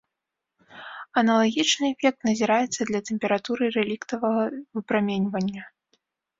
Аналагічны эфект назіраецца для тэмпературы рэліктавага выпраменьвання.